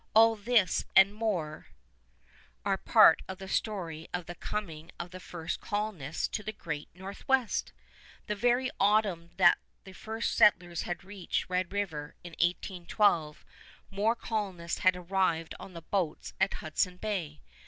All this and more are part of the story of the coming of the first colonists to the Great Northwest. The very autumn that the first settlers had reached Red River in 1812 more colonists had arrived on the boats at Hudson Bay.